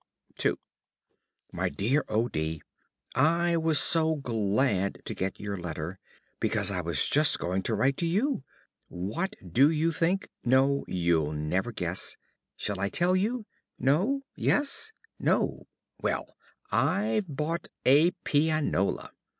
II My Dear O. D., I was so glad to get your letter, because I was just going to write to you. What do you think? No, you'll never guess shall I tell you? no yes no; well, I've bought a pianola!